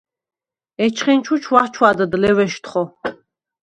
ეჩხენჩუ ჩვაჩვადდ ლევეშთხო.